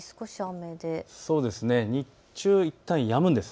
日中いったんやむんです。